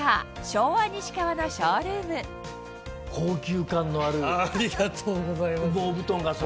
昭和西川のショールームありがとうございます。